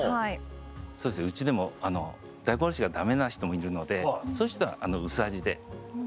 うちでも大根おろしがダメな人もいるのでそういう人は薄味で。